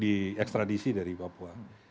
di ekstradisi dari papua